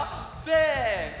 せの！